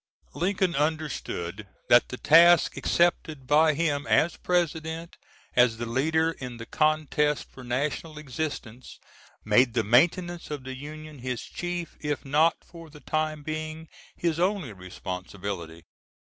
Lincoln understood that the task accepted by him as President as the leader in the contest for national existence made the maintenance of the Union his chief, if not for the time being his only responsibility.